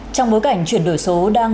trong bối cảnh chuyển đổi số đang